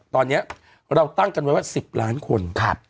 ตอนนี้เราตั้งกันไว้ว่า๑๐ล้านคน